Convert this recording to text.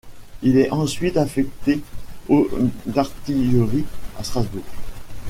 Il est ensuite affecté au d’artillerie à Strasbourg.